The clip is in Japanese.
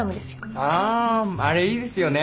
あああれいいですよね。